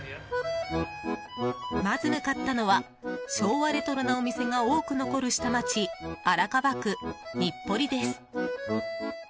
まず向かったのは昭和レトロなお店が多く残る下町荒川区日暮里です。